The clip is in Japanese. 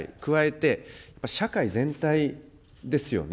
加えて、社会全体ですよね。